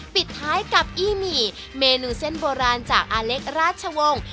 ปิดท้ายกับอี้หมี่เมนูเส้นโบราณจากอาเล็กราชวงศ์